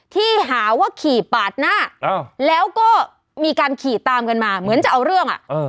ที่หาว่าขี่ปาดหน้าแล้วก็มีการขี่ตามกันมาเหมือนจะเอาเรื่อง